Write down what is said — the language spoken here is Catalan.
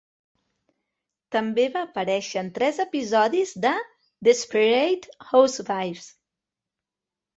També va aparèixer en tres episodis de "Desperate Housewives".